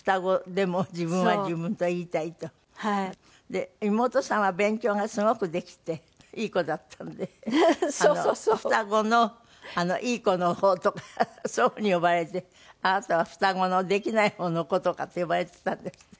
で妹さんは勉強がすごくできていい子だったんで双子のいい子の方とかそういうふうに呼ばれてあなたは双子のできない方の子とかって呼ばれていたんですって？